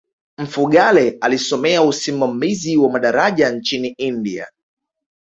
mfugale alisomea usimamizi wa madaraja nchini india